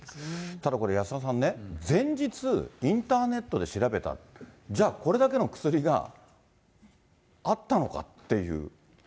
ただこれ、安田さんね、前日、インターネットで調べて、じゃあ、これだけの薬があったのかっていう。